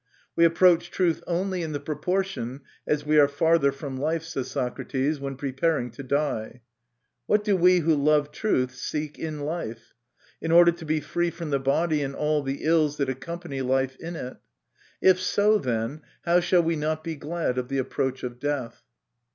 "We approach truth only in the proportion as we are farther from life," says Socrates, when preparing to die. What do we who love truth seek in life? In order to be free from the body and all the ills that accompany life in it. If so, then, how shall we not be glad of the approach of death